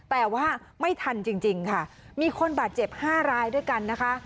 แต่ว่าไม่ทันจริงค่ะมีคนบาดเจ็บ๕รายด้วยกันนะคะ